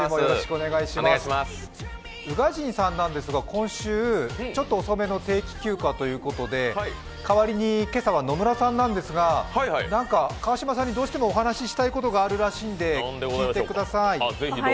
宇賀神さんなんですが今週ちょっと遅めの定期休暇で代わりに今朝は野村さんなんですが川島さんにどうしてもお話ししたいことがあるらしいので、聞いてください。